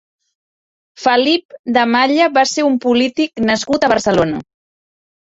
Felip de Malla va ser un polític nascut a Barcelona.